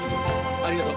ありがとう。